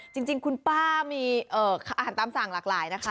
จริงคุณป้ามีอาหารตามสั่งหลากหลายนะคะ